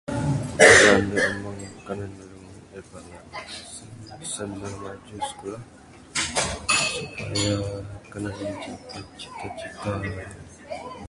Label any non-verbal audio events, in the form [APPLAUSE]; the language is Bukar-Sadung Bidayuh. Bala ande amang [UNINTELLIGIBLE] Sen ne rajin skulah supaya. [UNINTELLIGIBLE]